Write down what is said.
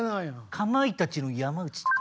かまいたちの山内とか。